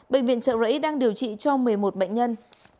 bệnh viện trợ rẫy đang điều trị cho một mươi một bệnh nhân